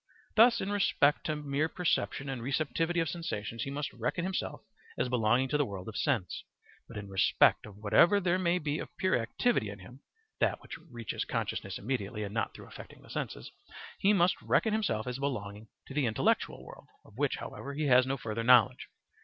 Thus in respect to mere perception and receptivity of sensations he must reckon himself as belonging to the world of sense; but in respect of whatever there may be of pure activity in him (that which reaches consciousness immediately and not through affecting the senses), he must reckon himself as belonging to the intellectual world, of which, however, he has no further knowledge.